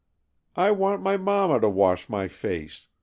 "I want my mama to wash my face!"